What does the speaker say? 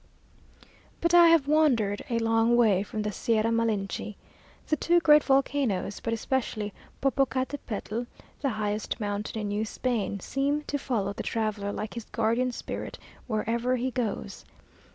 But I have wandered a long way from the Sierra Malinchi. The two great volcanoes, but especially Popocatepetl, the highest mountain in New Spain, seem to follow the traveller like his guardian spirit, wherever he goes.